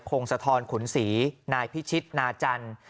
พงพ์สะทอนขุนศรีนายพิชิคนาจันทร์